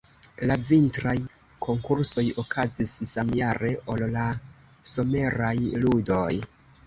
La vintraj konkursoj okazis samjare ol la someraj ludoj.